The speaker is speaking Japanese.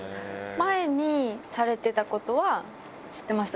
前にされてたことは知ってました。